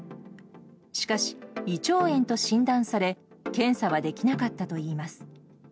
しかし、胃腸炎と診断され検査はできなかったといいます。